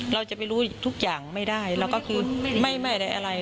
เราจะไม่รู้ทุกอย่างไม่ได้แล้วก็คือไม่ไม่ได้อะไรเออ